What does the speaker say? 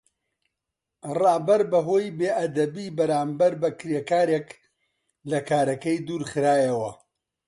ڕابەر بەهۆی بێئەدەبی بەرامبەر بە کڕیارێک لە کارەکەی دوورخرایەوە.